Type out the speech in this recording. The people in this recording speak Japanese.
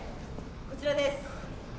こちらです